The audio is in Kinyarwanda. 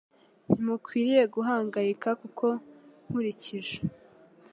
ntimukwiriye guhangayika; kuko nkurikije